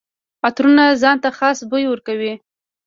عطرونه ځان ته خاص بوی ورکوي.